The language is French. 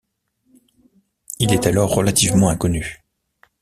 Il est alors relativement inconnu.